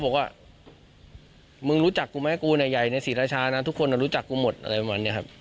บอกว่ามึงรู้จักกูไหมกูในยายในศรีรชานะทุกคนรู้จักกูหมดอะไรแบบนี้ครับ